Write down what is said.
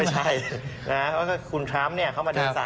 ไม่ใช่คุณคลามป์เข้ามาเดินสายมา